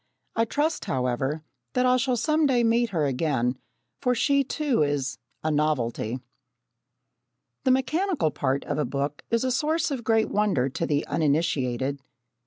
I trust, however, that I shall some day meet her again, for she too is "a novelty!" The mechanical part of a book is a source of great wonder to the uninitiated.